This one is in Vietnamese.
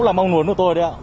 đó là mong muốn của tôi đấy ạ